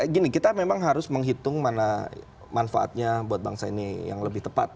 gini kita memang harus menghitung mana manfaatnya buat bangsa ini yang lebih tepat